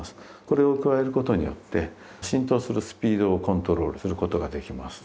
これを加えることによって浸透するスピードをコントロールすることができます。